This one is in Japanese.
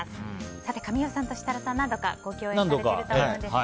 さて、神尾さんと設楽さんは何度かご共演されてると思うんですが。